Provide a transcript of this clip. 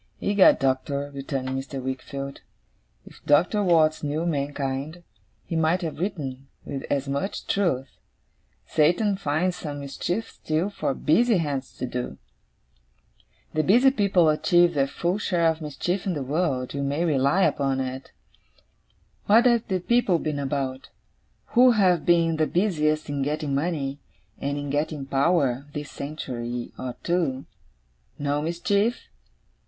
'Egad, Doctor,' returned Mr. Wickfield, 'if Doctor Watts knew mankind, he might have written, with as much truth, "Satan finds some mischief still, for busy hands to do." The busy people achieve their full share of mischief in the world, you may rely upon it. What have the people been about, who have been the busiest in getting money, and in getting power, this century or two? No mischief?